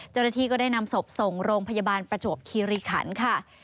เจ้าหน้าที่ก็ได้นำศพส่งโรงพยาบาลประจวบคีรีขันค่ะ